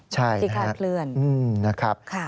ใช่นะครับ